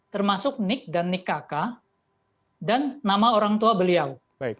termasuk nick dan nick kaka dan nama orang tua beliau